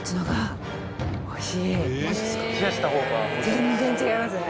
全然違いますね。